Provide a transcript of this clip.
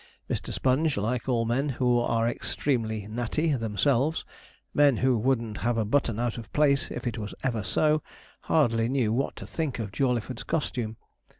Mr. Sponge, like all men who are 'extremely natty' themselves, men who wouldn't have a button out of place if it was ever so, hardly knew what to think of Jawleyford's costume.